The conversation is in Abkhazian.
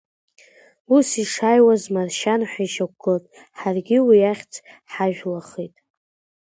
Ус ишааиуаз, маршьан ҳәа ишьақәгылт, ҳаргьы уи ахьӡ ҳажәлахеит.